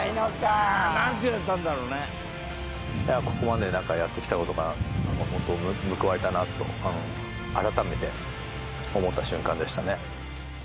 ここまでなんかやってきた事が本当報われたなと改めて思った瞬間でしたね。